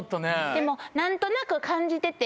でも何となく感じてて。